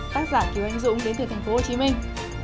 tác giả kiều anh dũng đến từ thành phố hồ chí minh